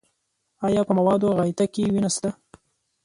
ایا په موادو غایطه کې وینه شته؟